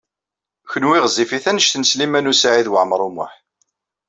Kenwi ɣezzifit anect n Sliman U Saɛid Waɛmaṛ U Muḥ.